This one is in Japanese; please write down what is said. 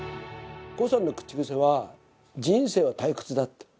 康さんの口癖は、人生は退屈だって。